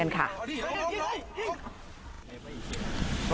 เอาที่เอาที่เอาที่